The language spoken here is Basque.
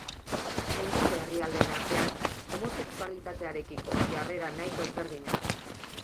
Munduko herrialdeen artean homosexualitatearekiko jarrera nahiko ezberdina da.